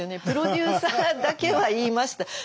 プロデューサーだけは言いました。